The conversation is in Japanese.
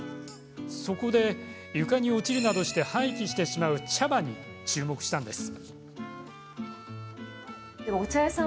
そこで、床に落ちるなどして廃棄してしまう茶葉に注目したのです。